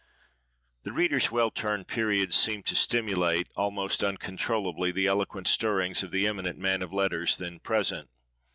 The reader's well turned periods seemed to stimulate, almost uncontrollably, the eloquent stirrings of the eminent man of letters then present.